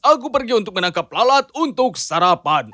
aku pergi untuk menangkap lalat untuk sarapan